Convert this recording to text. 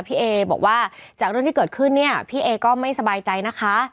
พี่เอบอกว่าจากเรื่องที่เกิดขึ้นเนี่ยพี่เอก็ไม่สบายใจนะคะ